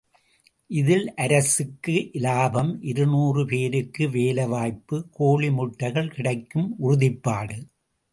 இதில் அரசுக்கு இலாபம், இருநூறு பேருக்கு வேலைவாய்ப்பு, கோழி முட்டைகள் கிடைக்கும் உறுதிப்பாடு.